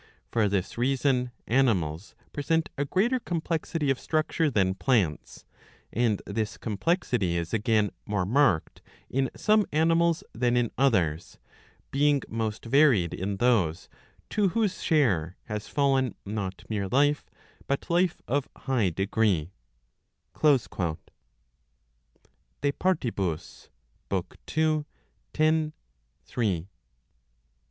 For this reason animals present a greater complexity of structure than plants ; and this complexity is again more marked in some animals than in others, being most varied in those to whose share has fallen not mere life but life of high degree."'